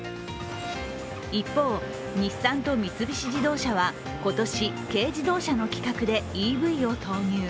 一方、日産と三菱自動車は今年、軽自動車の規格でＥＶを投入。